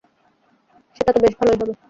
সেটা তো বেশ ভালোই হবে!